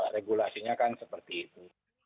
regulasinya kan seperti itu